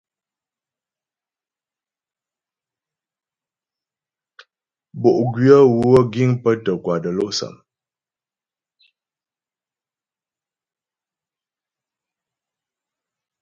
Bo'gwyə̌ wə́ giŋ pə́ tə́ kwà də́lɔ'sâm.